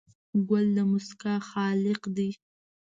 ګل د موسکا خالق دی.